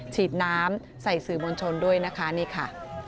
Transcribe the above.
ฉีดน้ำใส่สื่อมวลชนด้วยนะคะนี่ค่ะ